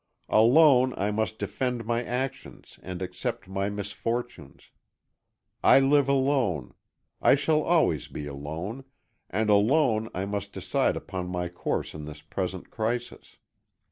Alone I must defend my actions and accept my misfortunes. I live alone, I shall always be alone, and alone I must decide upon my course in this present crisis.